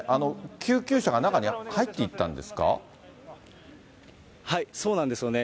救急車が中に入っていったんですそうなんですよね。